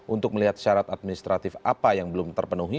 untuk melihat syarat administratif apa yang belum terpenuhi